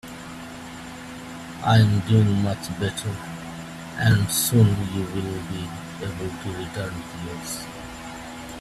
I'm doing much better, and soon you'll be able to return to your sheep.